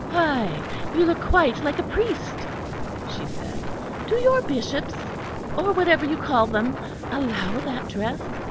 "Why, you look quite like a priest," she said. "Do your bishops, or whatever you call them, allow that dress?